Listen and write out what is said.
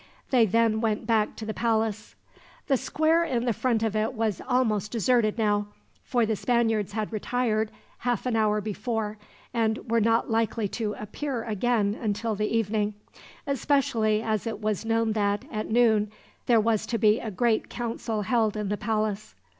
They then went back to the palace. The square in the front of it was almost deserted now; for the Spaniards had retired, half an hour before, and were not likely to appear again until the evening; especially as it was known that, at noon, there was to be a great council held in the palace.